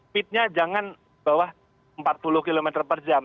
pit nya jangan bawah empat puluh km per jam